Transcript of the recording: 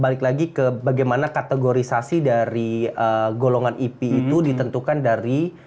balik lagi ke bagaimana kategorisasi dari golongan ip itu ditentukan dari